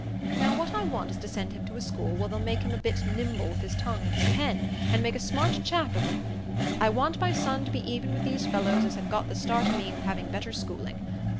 Now, what I want is to send him to a school where they'll make him a bit nimble with his tongue and his pen, and make a smart chap of him. I want my son to be even wi' these fellows as have got the start o' me with having better schooling.